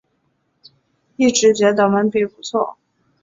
一直觉得文笔不错